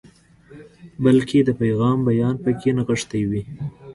بلکې د پیغام بیان پکې نغښتی وي.